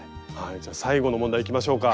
じゃあ最後の問題いきましょうか。